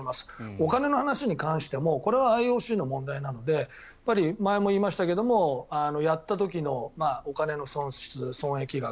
お金の話に関してもこれはＩＯＣの問題なのでやっぱり前も言いましたけどやった時のお金の損失、損益額。